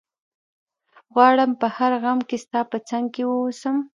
غواړم په هر غم کي ستا په څنګ کي ووسم